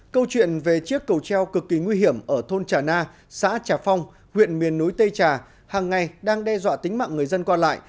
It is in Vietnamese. câu chuyện về chiếc cầu treo cực kỳ nguy hiểm ở thôn trà na xã trà phong huyện miền núi tây trà hàng ngày đang đe dọa tính mạng người dân qua lại